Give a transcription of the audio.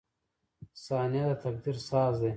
• ثانیه د تقدیر ساز دی.